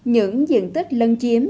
những diện tích lân chiếm